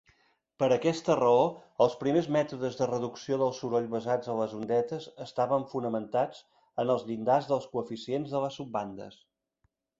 Per aquesta raó, els primers mètodes de reducció del soroll basats en les ondetes estaven fonamentats en els llindars dels coeficients de les subbandes.